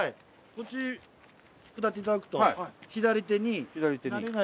こっち下っていただくと左手に。